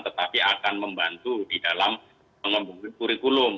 tetapi akan membantu di dalam pengembangan kurikulum